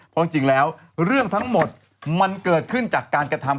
เพราะจริงแล้วเรื่องทั้งหมดมันเกิดขึ้นจากการกระทำ